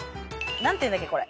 何ていうんだっけこれ。